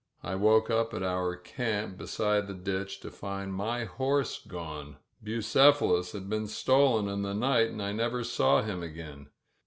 I woke at our camp beside the ditch to find my horse gone. Bucephalus had been stolen in the night and I never saw him again.